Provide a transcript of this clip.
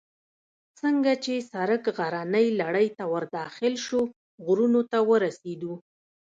څنګه چې سړک غرنۍ لړۍ ته ور داخل شو، غرونو ته ورسېدو.